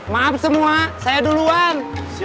maaf semua saya duluan